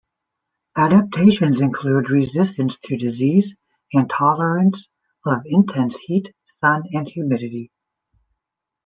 Adaptations include resistance to disease and tolerance of intense heat, sun, and humidity.